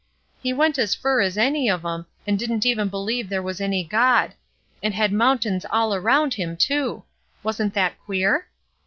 He went as fur as any of 'em, and didn't even believe there was any God; and had moun tains all around him, too! wa'n't that queer?